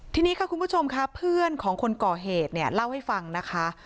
ทีนี้ค่ะคุณผู้ชมค่ะเพื่อนของคนก่อเหตุเนี่ยเล่าให้ฟังนะคะ